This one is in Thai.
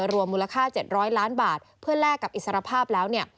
รวมมูลค่า๗๐๐ล้านบาทเพื่อแลกกับอิสรภาพแล้วเนี่ย